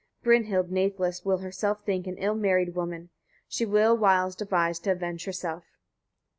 Brynhild nathless will herself think an ill married woman. She will wiles devise to avenge herself.